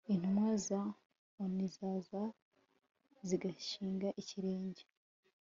intumwa za onu zaza zigashinga ikirenge